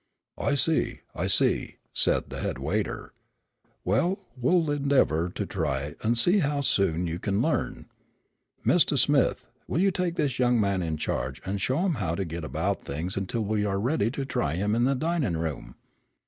"I see, I see," said the head waiter. "Well, we'll endeavor to try an' see how soon you can learn. Mistah Smith, will you take this young man in charge, an' show him how to get about things until we are ready to try him in the dinin' room?"